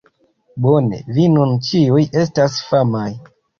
Bone, vi nun ĉiuj estas famaj